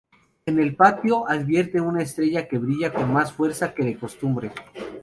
En el patio, advierte una estrella que brilla con más fuerza que de costumbre.